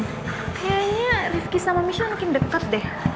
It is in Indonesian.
kayaknya rifki sama misal makin deket deh